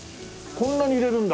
こんなに入れるんだ。